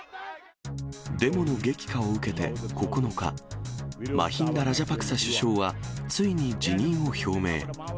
デモの激化を受けて９日、マヒンダ・ラジャパクサ首相は、ついに辞任を表明。